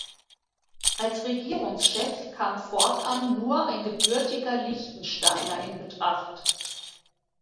Als Regierungschef kam fortan nur ein gebürtiger Liechtensteiner in Betracht.